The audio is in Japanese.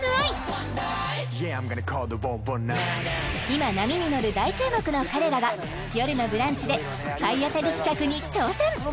今波に乗る大注目の彼らが「よるのブランチ」で体当たり企画に挑戦！